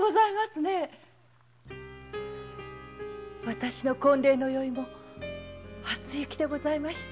私の婚礼の夜も初雪でございました。